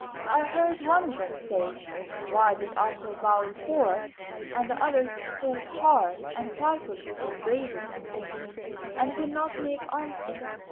I heard one of them say "Why did Arthur Bawl Fore?" And the others thought hard, And trifled with their brassies and things, And could not make answer.